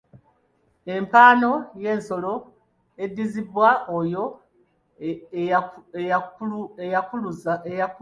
Empano y’ensolo eddizibwa oyo eyakulunza.